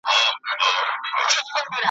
په قفس کي به ککړي درته کړمه `